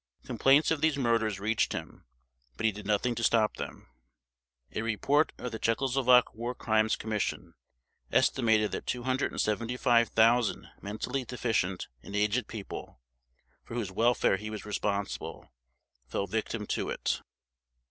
Complaints of these murders reached him, but he did nothing to stop them. A report of the Czechoslovak War Crimes Commission estimated that 275,000 mentally deficient and aged people, for whose welfare he was responsible, fell victim to it.